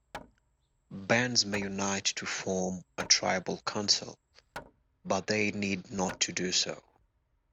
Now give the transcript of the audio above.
Bands may unite to form a tribal council, but they need not do so.